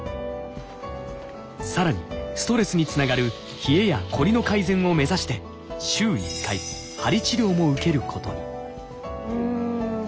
更にストレスにつながる冷えやコリの改善を目指して週１回鍼治療も受けることに。